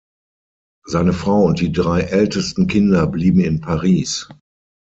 Seine Frau und die drei ältesten Kinder blieben in Paris.